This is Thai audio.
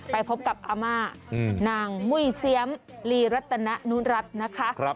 ไปพบกับอาม่านางมุ้ยเซียมลีรัตนุรัตินะคะ